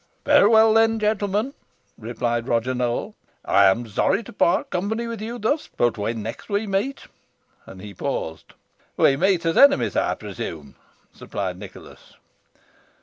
"Farewell, then, gentlemen," replied Roger Nowell; "I am sorry to part company with you thus, but when next we meet " and he paused. "We meet as enemies, I presume" supplied Nicholas.